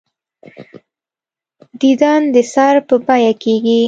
دیدن د سر په بیعه کېږي.